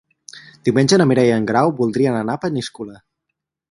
Diumenge na Mireia i en Guerau voldrien anar a Peníscola.